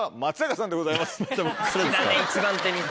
好きだね一番手にさ。